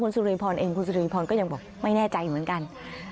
คุณสุโรยีพรรมเองคุณสุโรยีพรรมก็ยังบอกไม่แน่ใจเหมือนกัน